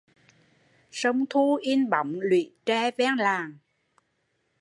Sông Thu in bóng luỹ tre ven làng.